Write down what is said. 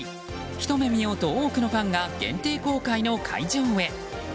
ひと目見ようと、多くのファンが限定公開の会場へ。